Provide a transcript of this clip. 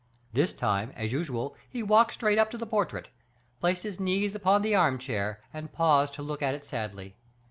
This time, as usual, he walked straight up to the portrait, placed his knees upon the arm chair, and paused to look at it sadly.